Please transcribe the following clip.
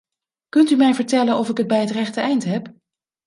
Kunt u mij vertellen of ik het bij het rechte eind heb?